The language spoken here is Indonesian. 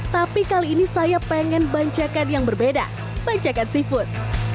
tapi kali ini saya pengen bancakan yang berbeda banjakan seafood